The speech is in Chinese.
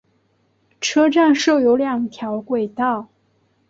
车站设有两条轨道。